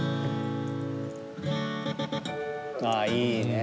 ああいいね。